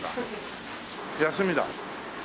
休みだ。